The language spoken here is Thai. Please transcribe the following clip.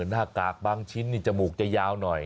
หน้ากากบางชิ้นนี่จมูกจะยาวหน่อย